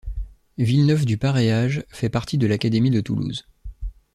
Villeneuve-du-Paréage fait partie de l'académie de Toulouse.